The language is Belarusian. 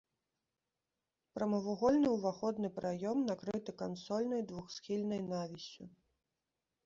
Прамавугольны ўваходны праём накрыты кансольнай двухсхільнай навіссю.